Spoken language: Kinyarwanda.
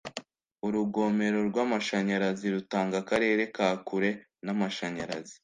urugomero rw'amashanyarazi rutanga akarere ka kure n'amashanyarazi